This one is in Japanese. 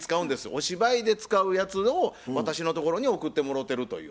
お芝居で使うやつを私のところに送ってもろうてるという。